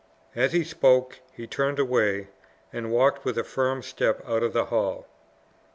As he spoke he turned away, and walked with a firm step out of the hall.